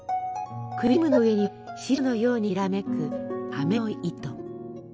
クリームの上にはシルクのようにきらめくあめの糸。